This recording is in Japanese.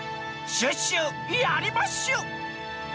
「シュッシュやりまッシュ！」。